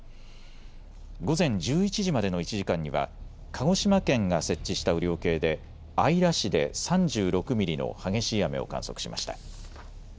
午前１１時までの１時間には鹿児島県が設置した雨量計で姶良市で３６ミリの激しい雨を観測しました。